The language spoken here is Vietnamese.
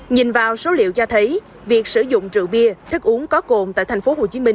nhìn vào số liệu cho thấy việc sử dụng rượu bia thức uống có cồn tại tp hcm